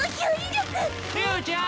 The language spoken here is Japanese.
竜ちゃん！